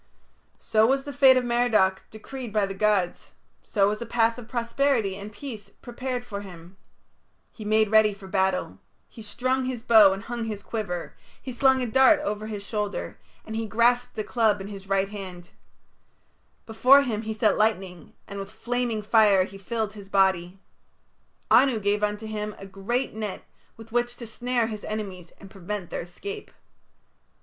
So was the fate of Merodach decreed by the gods; so was a path of prosperity and peace prepared for him. He made ready for battle; he strung his bow and hung his quiver; he slung a dart over his shoulder, and he grasped a club in his right hand; before him he set lightning, and with flaming fire he filled his body. Anu gave unto him a great net with which to snare his enemies and prevent their escape.